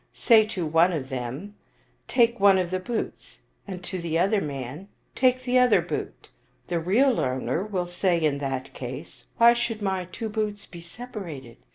Say to one of them, ' Take one of the boots,' and to the other man, ' Take the other boot.* The real owner will say in that case, * Why should my two boots be separated?